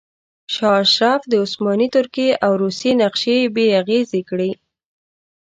شاه اشرف د عثماني ترکیې او روسیې نقشې بې اغیزې کړې.